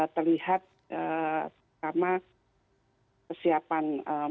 terlihat sama kesiapan mereka untuk